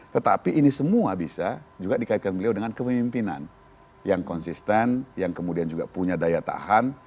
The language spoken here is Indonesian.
tetapi ini semua bisa juga dikaitkan beliau dengan kepemimpinan yang konsisten yang kemudian juga punya daya tahan